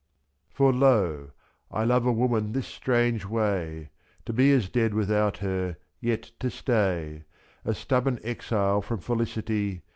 For lof I love a woman this strange way: To be as dead without her, yet to stay, /^7 A stubborn exile from felicity.